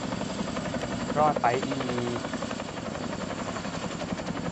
รอดไปอีก